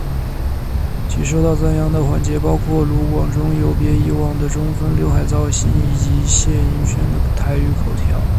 其他受到赞扬的环节包括卢广仲有别以往的中分浏海造型以及谢盈萱的台语口条。